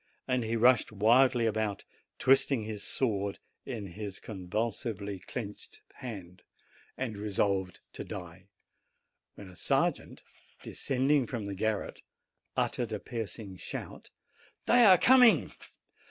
and rushed wildly about, twisting his sword in his convulsively clenched 104 JANUARY hand, and resolved to die; when a sergeant descend ing from the garret, uttered a piercing shout, "They are coming!"